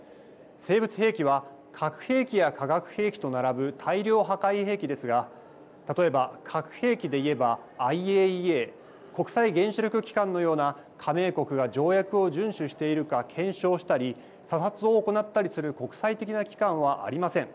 生物兵器は核兵器や化学兵器と並ぶ大量破壊兵器ですが例えば、核兵器でいえばＩＡＥＡ＝国際原子力機関のような加盟国が条約を順守しているか検証したり査察を行ったりする国際的な機関はありません。